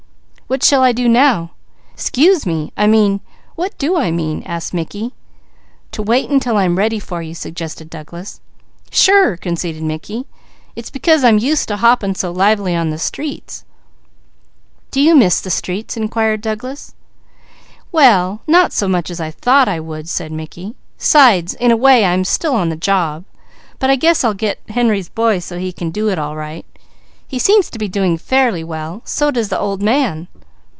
"What shall I do now? 'Scuse me, I mean what do I mean?" asked Mickey. "To wait until I'm ready for you," suggested Douglas. "Sure!" conceded Mickey. "It's because I'm used to hopping so lively on the streets." "Do you miss the streets?" inquired Douglas. "Well not so much as I thought I would," said Mickey, "'sides in a way I'm still on the job, but I guess I'll get Henry's boy so he can go it all right. He seems to be doing fairly well; so does the old man."